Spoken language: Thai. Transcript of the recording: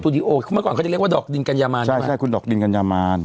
ดีโอคือเมื่อก่อนเขาจะเรียกว่าดอกดินกัญญามานใช่คุณดอกดินกัญญามาร